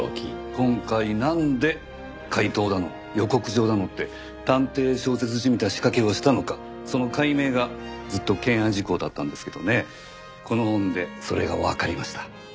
今回なんで怪盗だの予告状だのって探偵小説じみた仕掛けをしたのかその解明がずっと懸案事項だったんですけどねこの本でそれがわかりました。